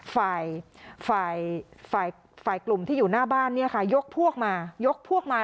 ฝ่ายฝ่ายกลุ่มที่อยู่หน้าบ้านเนี่ยค่ะยกพวกมายกพวกมา